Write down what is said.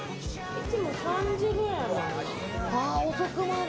いつも３時ぐらいまで。